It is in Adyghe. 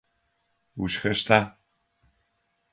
Ушхэщта?